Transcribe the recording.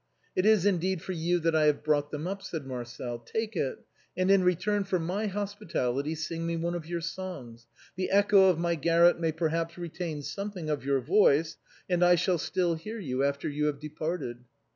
" It is, indeed, for you that I have brought them up," said Marcel. " Take it, and in return for my hospitality sing me one of your songs, the echo of my garret may per haps retain something of your voice, and I shall still hear you after you have departed."